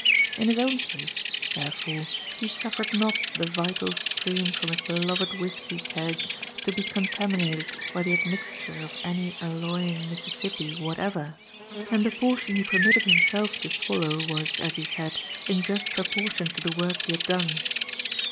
In his own case, there fore, he suffered not the vital stream from his beloved whisky k^ to be contaminated by the admixture of any alloying Mississippi whatever ;• UFE AND ADVENTURES OF and (he portion be permitted himself to swallow was, as he said, in just proportion to the work he had done.